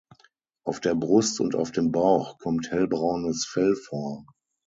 Auf der Brust und auf dem Bauch kommt hellbraunes Fell vor.